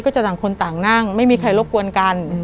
จะต่างคนต่างนั่งไม่มีใครรบกวนกัน